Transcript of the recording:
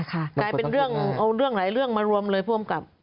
กลายเป็นเรื่องเอาเรื่องหลายเรื่องมารวมเลยผู้อำกับ